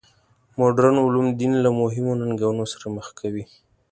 مډرن علوم دین له مهمو ننګونو سره مخ کوي.